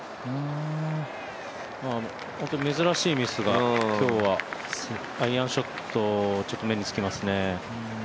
珍しいミスが今日は、アイアンショットちょっと目につきますね。